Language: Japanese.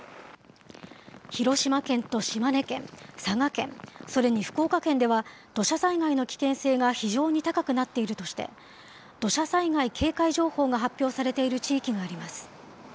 広島県と島根県、佐賀県、それに福岡県では、土砂災害の危険性が非常に高くなっているとして、土砂災害警戒情報が発表されている地域があります。